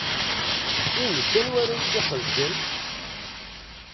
I nekk, anwa ara y-id-iqedcen?